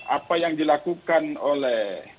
apa yang dilakukan oleh